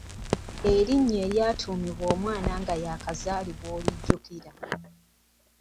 Erinnya eryatuumibwanga omwana nga yaakazaalibwa olijjukira?